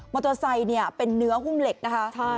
เตอร์ไซค์เป็นเนื้อหุ้มเหล็กนะคะ